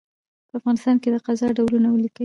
په افغانستان کي د قضاء ډولونه ولیکئ؟